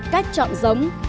cách chọn giống